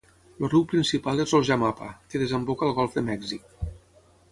El riu principal és el Jamapa, que desemboca al Golf de Mèxic.